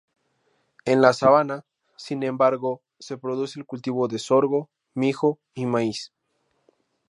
En la sabana, sin embargo, se produce el cultivo de sorgo, mijo y maíz.